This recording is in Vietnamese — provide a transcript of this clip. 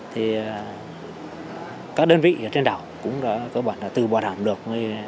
thì các đơn vị ở trên đảo cũng đã cơ bản đã tự bảo đảm được